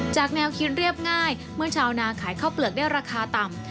แนวคิดเรียบง่ายเมื่อชาวนาขายข้าวเปลือกได้ราคาต่ำ